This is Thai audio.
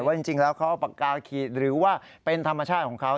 ว่าจริงแล้วเขาปากกาขีดหรือว่าเป็นธรรมชาติของเขา